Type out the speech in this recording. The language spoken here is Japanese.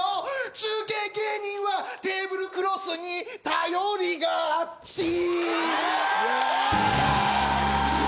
中堅芸人はテーブルクロスに頼りがちおいしょ！